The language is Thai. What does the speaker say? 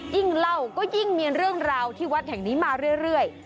ยิ่งเล่าก็ยิ่งมีเรื่องราวที่วัดแห่งนี้มาเรื่อย